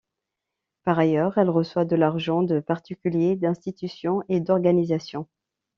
Par ailleurs, elle reçoit de l'argent de particuliers, d'institutions et d'organisations.